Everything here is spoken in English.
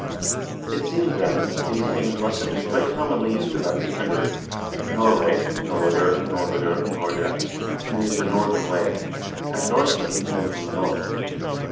It seems, then, that these names must have been quite commonly used about 800. Norway (Noregr, Norvegr, Norge) means the northern way, and Norsemen, men from the North.